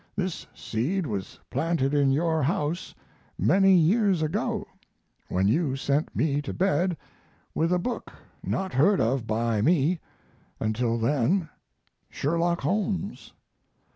This seed was planted in your house many years ago when you sent me to bed with a book not heard of by me until then Sherlock Holmes....